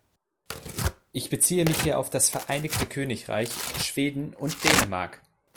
Ich beziehe mich hier auf das Vereinigte Königreich, Schweden und Dänemark.